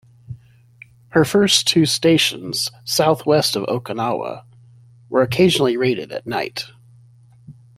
Her first two stations, southwest of Okinawa, were occasionally raided at night.